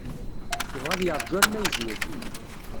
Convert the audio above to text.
Yebɣa ad yeṛju arma yezwej.